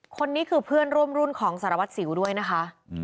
คนนี้คือเพื่อนร่วมรุ่นของสารวัตรสิวด้วยนะคะ